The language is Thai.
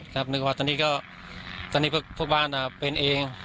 นิดนึกว่าตอนนี้พวกบ้านเป็นเอง